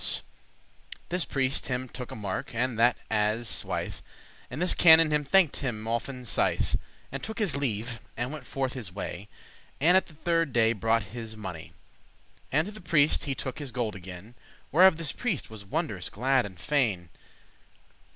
* *neck This priest him took a mark, and that as swithe,* *quickly And this canon him thanked often sithe,* *times And took his leave, and wente forth his way; And at the thirde day brought his money; And to the priest he took his gold again, Whereof this priest was wondrous glad and fain.